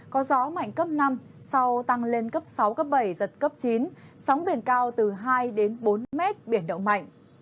có gió mạnh cấp năm sau tăng lên cấp sáu cấp bảy giật cấp chín sóng biển cao từ hai đến bốn mét biển động mạnh